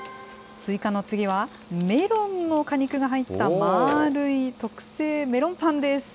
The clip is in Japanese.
すいかの次は、メロンの果肉が入った、丸い特製メロンパンです。